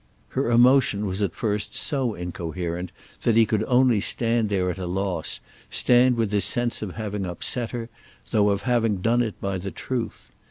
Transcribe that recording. Her emotion was at first so incoherent that he could only stand there at a loss, stand with his sense of having upset her, though of having done it by the truth.